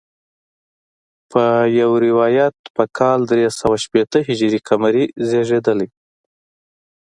په یو روایت په کال درې سوه شپېته هجري قمري زیږېدلی.